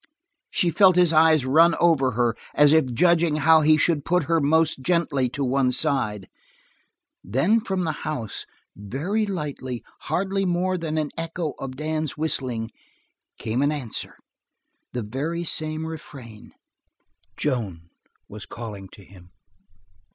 She felt his eyes run over her, as if judging how he should put her most gently to one side; then from the house, very lightly, hardly more than an echo of Dan's whistling, came an answer the very same refrain. Joan was calling to him.